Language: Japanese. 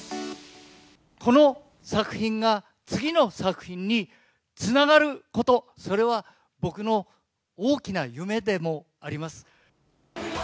この作品が次の作品につながること、それは僕の大きな夢でもあります。